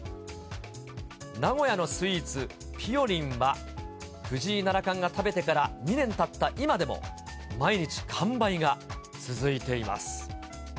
名古屋のスイーツ、ぴよりんは、藤井七冠が食べてから２年たった今でも、毎日完売が続いています。